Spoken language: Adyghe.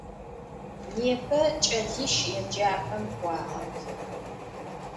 Nêpe ç'eliş yêcap'em k'uağep.